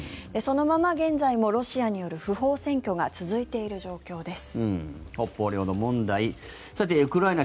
そのまま現在もロシアによる不法占拠が続いている状況です。